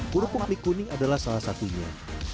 kerupuk mie kuning adalah salah satunya